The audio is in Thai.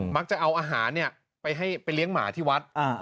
จะเอาอาหารไปให้ไปเลี้ยงหมาที่วัด